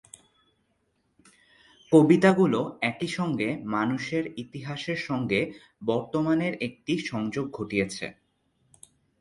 কবিতাগুলো একইসঙ্গে মানুষের ইতিহাসের সঙ্গে বর্তমানের একটি সংযোগ ঘটিয়েছে।